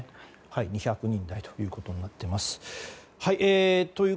２００人台ということになっています。